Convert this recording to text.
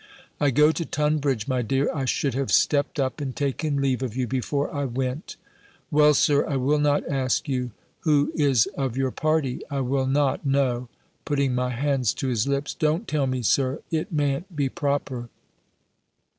"I go to Tunbridge, my dear. I should have stept up and taken leave of you before I went." "Well, Sir, I will not ask you, who is of your party: I will not No," (putting my hand to his lips) "don't tell me. Sir: it mayn't be proper."